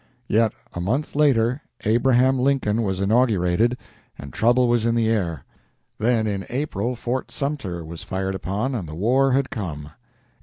Yet, a month later, Abraham Lincoln was inaugurated and trouble was in the air. Then in April Fort Sumter was fired upon and the war had come.